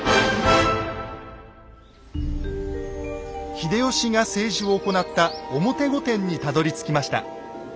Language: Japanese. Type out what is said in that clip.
秀吉が政治を行った表御殿にたどりつきました。